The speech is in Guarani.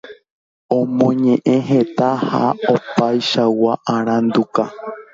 Omoñeʼẽ heta ha opaichagua aranduka.